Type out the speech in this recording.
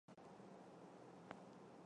嘉庆十二年中举人。